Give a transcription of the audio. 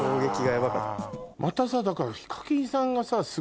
またさだから。